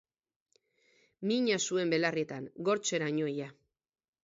Mina zuen belarrietan, gortzeraino ia.